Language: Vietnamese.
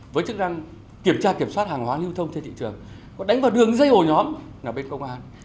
với chức năng kiểm tra kiểm soát hàng hóa lưu thông trên thị trường có đánh vào đường dây ổ nhóm là bên công an